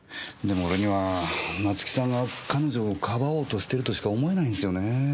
でも俺には夏生さんが彼女をかばおうとしてるとしか思えないんですよねぇ。